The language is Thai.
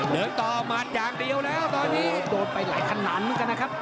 เหนิดต่อหมัดอยากเดียวแล้วตอนนี้โหโดนไปหลากระหนังเหมือนกันนะครับ